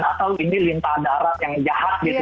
atau ini lintah darat yang jahat gitu